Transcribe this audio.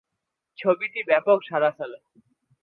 ছবিটি ব্যাপক সারা ফেলে।